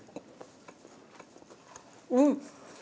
うん！